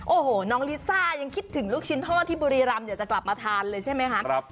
โอ้โหน้องลิซ่ายังคิดถึงลูกชิ้นทอดที่บุรีรำอยากจะกลับมาทานเลยใช่ไหมคะ